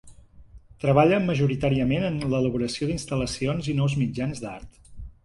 Treballa majoritàriament en l'elaboració d'instal·lacions i nous mitjans d'art.